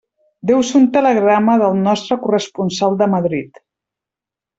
Deu ser un telegrama del nostre corresponsal de Madrid.